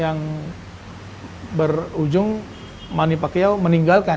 yang berujung manny pacuayo meninggalkan